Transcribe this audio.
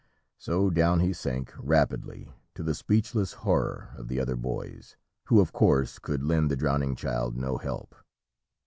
So down he sank rapidly, to the speechless horror of the other boys, who of course, could lend the drowning child no help.